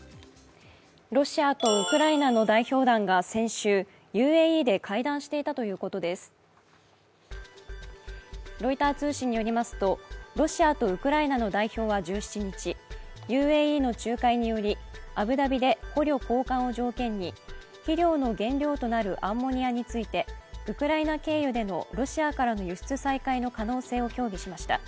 ロシアとウクライナの代表団が先週、ＵＡＥで会談していたということですロイター通信によりますと、ロシアとウクライナの代表は１７日、ＵＡＥの仲介によりアブダビで捕虜交換を条件に、肥料の原料となるアンモニアについてウクライナ経由でのロシアからの輸出再開の可能性を協議しました。